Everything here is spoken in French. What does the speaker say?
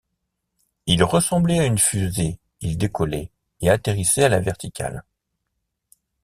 Il ressemblait à une fusée, il décollait et atterrissait à la verticale.